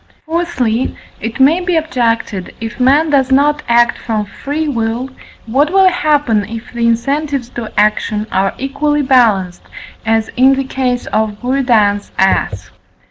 Fourthly, it may be objected, if man does not act from free will, what will happen if the incentives to action are equally balanced, as in the case of Buridan's ass?